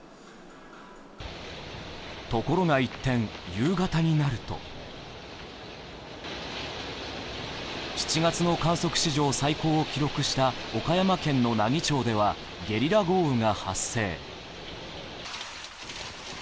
ところが一転、夕方になると７月の観測史上最高を記録した岡山県の奈義町ではゲリラ豪雨が発生。